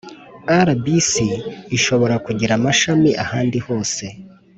Rbc ishobora kugira amashami ahandi hose